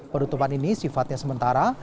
penutupan ini sifatnya sementara